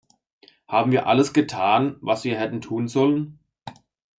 Haben wir alles getan, was wir hätten tun sollen?